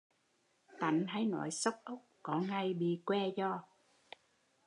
Tánh hay nói xốc ốc có ngày bị què giò